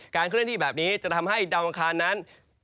เคลื่อนที่แบบนี้จะทำให้ดาวอังคารนั้น